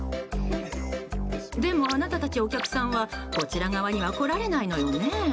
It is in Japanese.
でも、あなたたちお客さんはこちら側には来られないのよね。